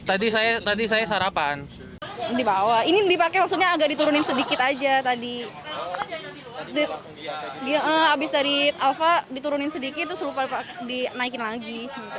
abis dari alfa diturunin sedikit terus lupa dinaikin lagi